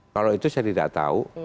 kalau itu saya tidak tahu